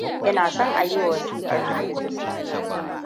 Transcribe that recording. Ina son a yiwa wasiƙar nan rijista.